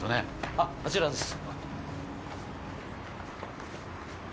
あっあちらです。